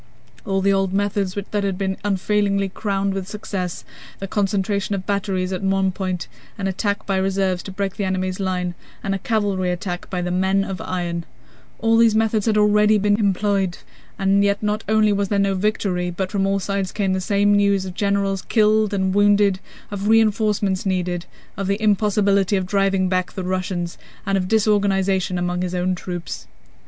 All the old methods that had been unfailingly crowned with success: the concentration of batteries on one point, an attack by reserves to break the enemy's line, and a cavalry attack by "the men of iron," all these methods had already been employed, yet not only was there no victory, but from all sides came the same news of generals killed and wounded, of reinforcements needed, of the impossibility of driving back the Russians, and of disorganization among his own troops.